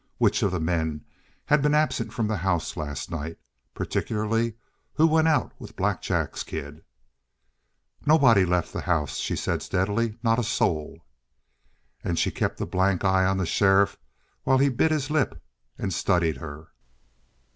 Which of the men had been absent from the house last night? Particularly, who went out with Black Jack's kid? "Nobody left the house," she said steadily. "Not a soul." And she kept a blank eye on the sheriff while he bit his lip and studied her.